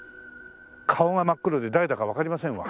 顔が真っ黒で誰だかわかりませんわ。